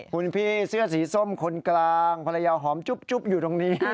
คุณพี่เสื้อสีส้มคนกลางภรรยาหอมจุ๊บอยู่ตรงนี้